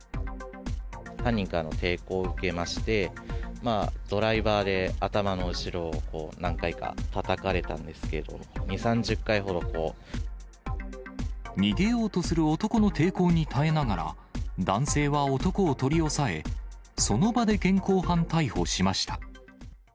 犯人からの抵抗を受けまして、ドライバーで頭の後ろを何回かたたかれたんですけど、２、３０回逃げようとする男の抵抗に耐えながら、男性は男を取り押さえ、その場で現行犯逮捕しました。